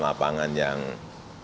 jadi saya berharap